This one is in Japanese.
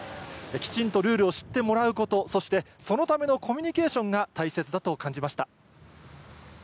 きちんとルールを知ってもらうこと、そしてそのためのコミュニケーションが大切だと感じました。